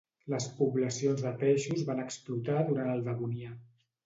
Les poblacions de peixos van explotar durant el Devonià.